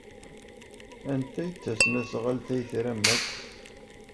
Anta ay d tasnasɣalt ay tram akk?